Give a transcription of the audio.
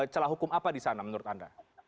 celah hukum apa di sana menurut anda